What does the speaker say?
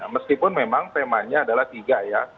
meskipun memang temanya adalah tiga ya